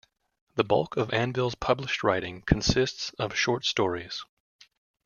The bulk of Anvil's published writing consists of short stories.